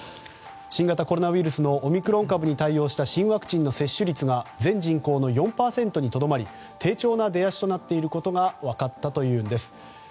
新型コロナウイルスのオミクロン株に対応した新ワクチンの接種率が全人口の４％にとどまり低調な出足となっていることが分かったということです。